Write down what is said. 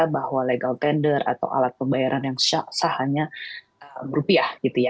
bahwa legal tender atau alat pembayaran yang sahanya rupiah gitu ya